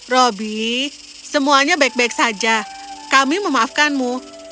roby semuanya baik baik saja kami memaafkanmu